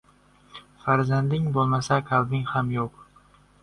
• Farzanding bo‘lmasa ― qalbing ham yo‘q.